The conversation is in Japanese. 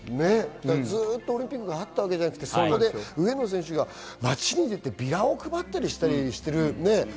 ずっとオリンピックがあったわけじゃなくて、上野投手が街に出てビラを配ったりしている。